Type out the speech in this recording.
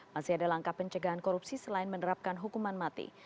masih ada langkah pencegahan korupsi selain menerapkan hukuman mati